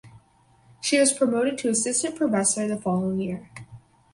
She was promoted to assistant professor the following year.